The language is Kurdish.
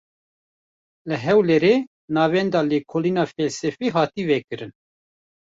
Li Hewlêrê, Navenda Lêkolîna Felsefî hate vekirin